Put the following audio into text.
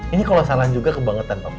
ini kalau salah juga kebangetan pak